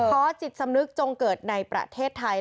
ขอจิตสำนึกจงเกิดในประเทศไทย